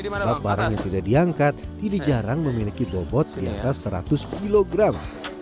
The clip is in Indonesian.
sebab barang yang tidak diangkat tidak jarang memiliki bobot di atas seratus kilogram